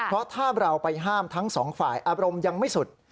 เพราะถ้าเราไปห้ามทั้งสองฝ่ายอารมณ์ยังไม่สุด